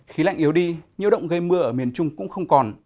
khí lạnh yếu đi nhiêu động gây mưa ở miền trung cũng không còn